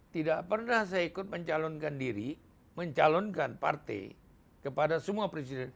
tidak pernah saya ikut mencalonkan diri mencalonkan partai kepada semua presiden